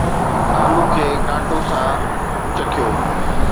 آلو کي ڪانٽو سان ڇڪيو